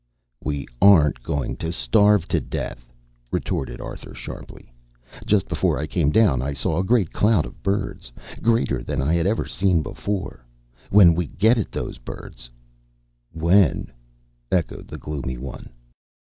"We aren't going to starve to death," retorted Arthur sharply. "Just before I came down I saw a great cloud of birds, greater than I had ever seen before. When we get at those birds " "When," echoed the gloomy one.